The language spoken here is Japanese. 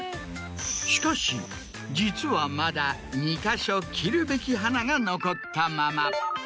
しかし実はまだ２か所切るべき花が残ったまま。